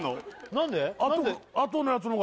何で？